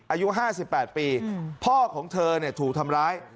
อายุ๕๘ปีพ่อของเธอถูกทำร้าย